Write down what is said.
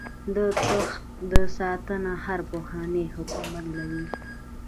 د تخت ساتنه هر پخوانی حکم بدلوي.